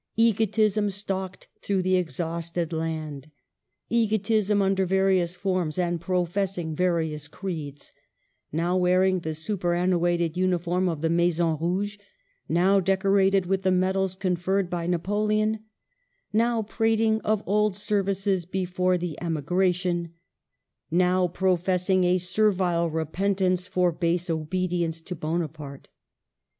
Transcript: Egotism stalked through the exhausted land — egotism under various forms and professing various creeds ; now wearing the super annuated uniform of the Maison <Rouge ; now decorated with the medals conferred by Napo leon ; now prating of old services before the emi gration ; now professing a servile repentance for base obedience to Bonaparte.